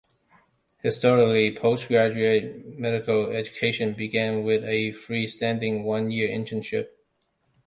Historically, post-graduate medical education began with a free-standing, one-year internship.